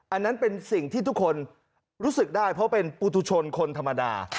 อันนั้นเป็นสิ่งที่ทุกคนรู้สึกได้เพราะเป็นปุตุชนคนธรรมดา